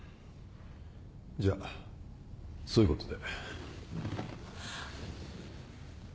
じゃあそういうことで。